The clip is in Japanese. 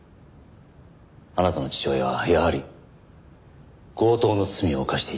あなたの父親はやはり強盗の罪を犯していた。